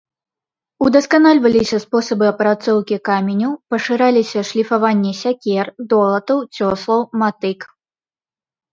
Удасканальваліся спосабы апрацоўкі каменю, пашыраліся шліфаванне сякер, долатаў, цёслаў, матык.